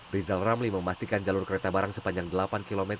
rizal ramli memastikan jalur kereta barang sepanjang delapan km